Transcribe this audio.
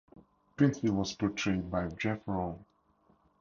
Pinfield was portrayed by Jeff Rawle.